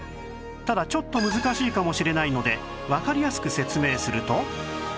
ただちょっと難しいかもしれないのでわかりやすく説明すると